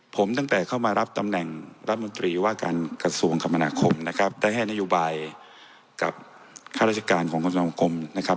ผมตั้งแต่เข้ามารับตำแหน่งรัฐมนตรีว่าการกระทรวงคมนาคมนะครับได้ให้นโยบายกับข้าราชการของสมคมนะครับ